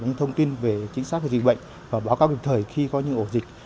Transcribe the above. những thông tin về chính xác về dịch bệnh và báo cáo kịp thời khi có những ổ dịch